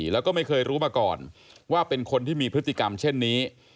แล้วก็ไม่เคยรู้มาก่อนว่าเป็นคนที่มีพฤติกรรมเช่นนี้